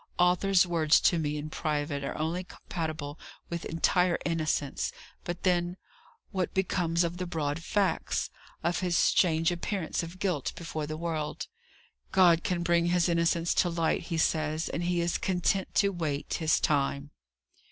"Arthur's words to me in private are only compatible with entire innocence; but then, what becomes of the broad facts? of his strange appearance of guilt before the world? God can bring his innocence to light, he says; and he is content to wait His time."